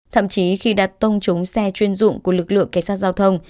thậm chí khi đặt tông trúng xe chuyên dụng của lực lượng cảnh sát giao thông